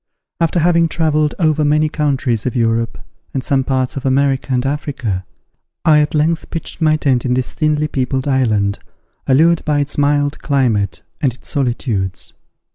After having travelled over many countries of Europe, and some parts of America and Africa, I at length pitched my tent in this thinly peopled island, allured by its mild climate and its solitudes.